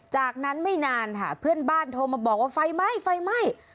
จากนั้นไม่นานค่ะเพื่อนบ้านโทรมาบอกว่าไฟไหม้ไฟไหม้